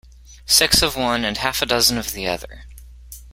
Six of one, and half-a-dozen of the other.